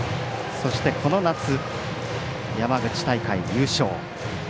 そして、この夏山口大会優勝。